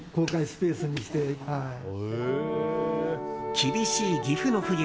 厳しい岐阜の冬。